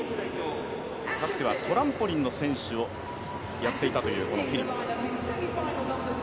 かつてはトランポリンの選手をやっていたというフィリップ。